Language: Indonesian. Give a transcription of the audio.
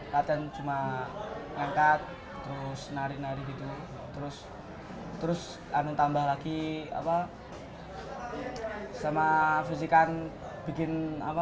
keduanya tidak main